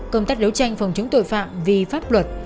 công tác đấu tranh phòng chống tội phạm vì pháp luật